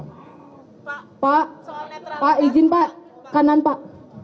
pak pak pak izin pak kanan pak